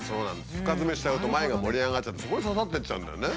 深ヅメしちゃうと前が盛り上がっちゃってそこに刺さってっちゃうんだよね。